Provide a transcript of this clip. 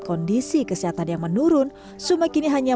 menulis pilihan perjalanan yang sangat membuat kerja hingga banyak